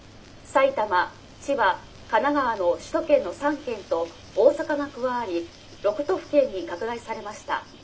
「埼玉千葉神奈川の首都圏の３県と大阪が加わり６都府県に拡大されました。